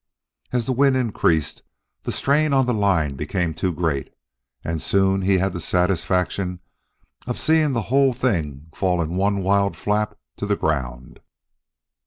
As the wind increased, the strain on the line became too great, and soon he had the satisfaction of seeing the whole thing fall in one wild flap to the ground.